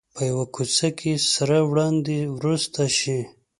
په یوه کوڅه کې سره وړاندې ورسته شي.